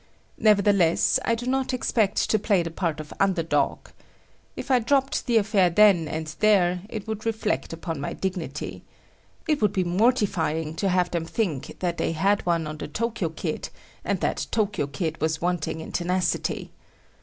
Nevertheless, I do not expect to play the part of underdog. If I dropped the affair then and there, it would reflect upon my dignity. It would be mortifying to have them think that they had one on the Tokyo kid and that Tokyo kid was wanting in tenacity.